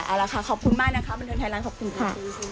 ค่ะเอาละค่ะขอบคุณมากนะคะบริเวณไทยลังค์ขอบคุณค่ะ